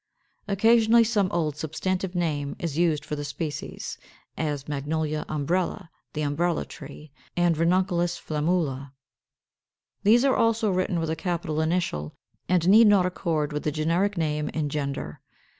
Occasionally some old substantive name is used for the species; as Magnolia Umbrella, the Umbrella tree, and Ranunculus Flammula. These are also written with a capital initial, and need not accord with the generic name in gender.